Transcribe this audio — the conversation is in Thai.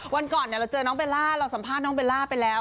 วันก่อนเราเจอน้องเบลล่าเราสัมภาษณ์น้องเบลล่าไปแล้ว